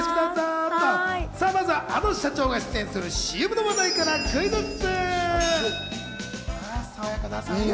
まずはあの社長が出演するＣＭの話題からクイズッス。